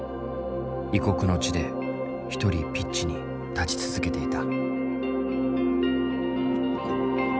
異国の地で一人ピッチに立ち続けていた。